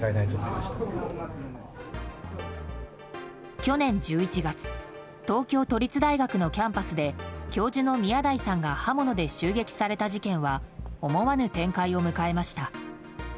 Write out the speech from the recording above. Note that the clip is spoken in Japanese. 去年１１月東京都立大学のキャンパスで教授の宮台さんが刃物で襲撃された事件は思わぬ展開を迎えました。